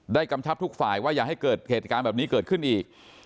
กำชับทุกฝ่ายว่าอย่าให้เกิดเหตุการณ์แบบนี้เกิดขึ้นอีก